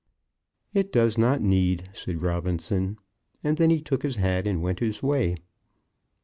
"It does not need," said Robinson; and then he took his hat and went his way.